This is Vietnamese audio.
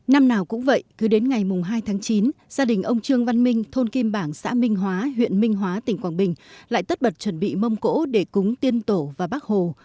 năm nào cũng vậy cứ đến ngày hai tháng chín gia đình ông trương văn minh thôn kim bảng xã minh hóa huyện minh hóa tỉnh quảng bình lại tất bật chuẩn bị mông cổ để cúng tiên tổ và bắc hồ